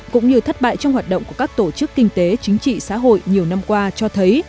cũng như thất bại trong hoạt động của các tổ chức kinh tế chính trị xã hội nhiều năm qua cho thấy